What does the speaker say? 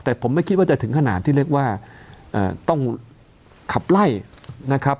แต่ผมไม่คิดว่าจะถึงขนาดที่เรียกว่าต้องขับไล่นะครับ